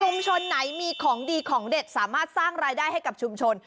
ชนไหนมีของดีของเด็ดสามารถสร้างรายได้ให้กับชุมชน